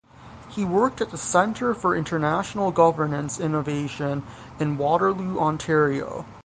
He worked at the Centre for International Governance Innovation in Waterloo, Ontario.